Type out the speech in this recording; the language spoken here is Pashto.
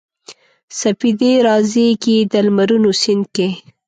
سپیدې رازیږي د لمرونو سیند کې